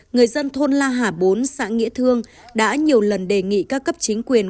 người dân thôn la hà bốn xã nghĩa thương đã nhiều lần đề nghị các cấp chính quyền